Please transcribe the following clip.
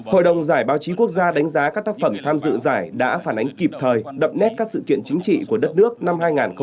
hội đồng giải báo chí quốc gia đánh giá các tác phẩm tham dự giải đã phản ánh kịp thời đậm nét các sự kiện chính trị của đất nước năm hai nghìn một mươi chín